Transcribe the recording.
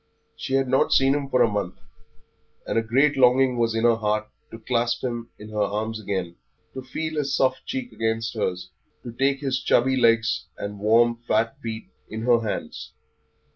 She had not seen him for a month, and a great longing was in her heart to clasp him in her arms again, to feel his soft cheek against hers, to take his chubby legs and warm, fat feet in her hands.